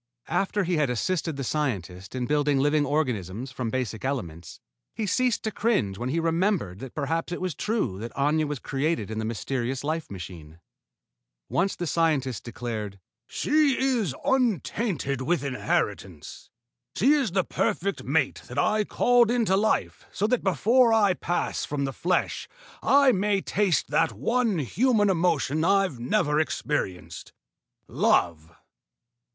After he had assisted the scientist in building living organisms from basic elements, he ceased to cringe when he remembered that perhaps it was true that Aña was created in the mysterious life machine. Once the scientist declared, "She is untainted with inheritance. She is the perfect mate that I called into life so that before I pass from the flesh I may taste that one human emotion I've never experienced love."